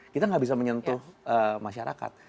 kita nggak bisa menyentuh masyarakat